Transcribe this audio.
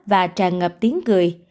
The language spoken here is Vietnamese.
và tràn ngập tiếng cười